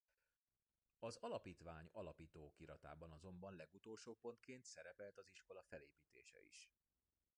Az alapítvány alapító okiratában azonban legutolsó pontként szerepelt az iskola felépítése is.